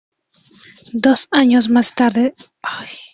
Dos años más tarde abrió su segundo salón en el Thousand Oaks, California.